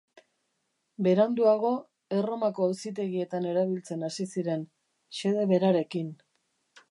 Beranduago, Erromako auzitegietan erabiltzen hasi ziren, xede berarekin.